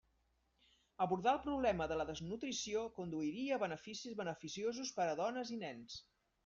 Abordar el problema de la desnutrició conduiria a beneficis beneficiosos per a dones i nens.